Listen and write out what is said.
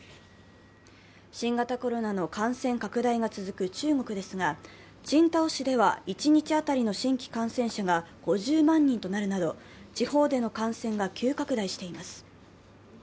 新型コロナの感染拡大が続く中国ですが、青島市では一日当たりの新規感染者が５０万人となるなど地方での感染が急拡大しています。